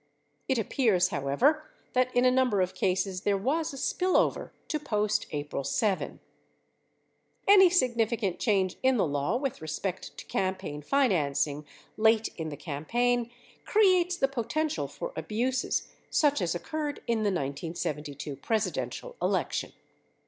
It appears, however, that in a number of cases, there was a spillover to post April 7. Any significant change in the law with respect to campaign financ ing late in the campaign creates the potential for abuses such as oc curred in the 1972 Presidential election.